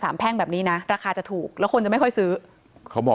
ไม่เชื่อก็